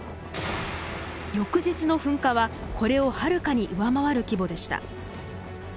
翌日の噴火はこれをはるかに上回る規模でした。